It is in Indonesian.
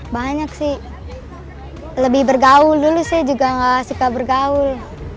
banyak sih lebih bergaul dulu saya juga nggak suka bergaul